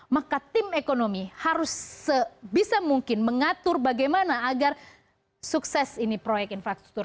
maka tim ekonomi harus sebisa mungkin mengatur bagaimana agar sukses ini proyek infrastruktur